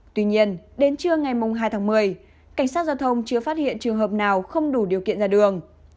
tuy nhiên đến trưa ngày hai tháng một mươi cảnh sát giao thông chưa phát hiện trường hợp nào không đủ điều kiện ra đường